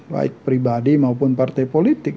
baik pribadi maupun partai politik